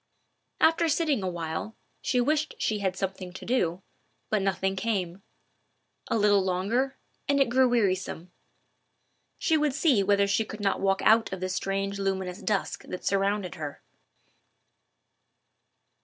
After sitting a while, she wished she had something to do, but nothing came. A little longer, and it grew wearisome. She would see whether she could not walk out of the strange luminous dusk that surrounded her.